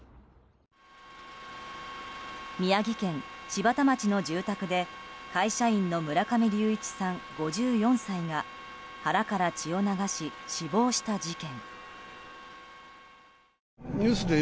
宮城県柴田町の住宅で会社員の村上隆一さん、５４歳が腹から血を流し、死亡した事件。